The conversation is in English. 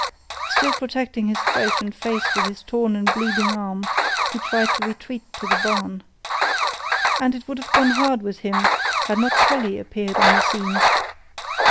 Still protecting his throat and face with his torn and bleeding arm, he tried to retreat to the barn. And it would have gone hard with him had not Collie appeared on the scene.